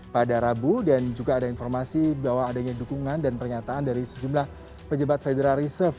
pada rabu dan juga ada informasi bahwa adanya dukungan dan pernyataan dari sejumlah pejabat federal reserve